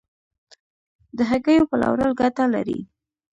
د هګیو پلورل ګټه لري؟